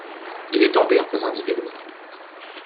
Il est tombé en faisant du vélo.